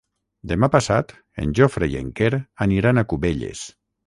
Demà passat en Jofre i en Quer aniran a Cubelles.